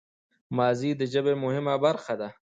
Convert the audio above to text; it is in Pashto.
ماضي د ژبي مهمه برخه ده.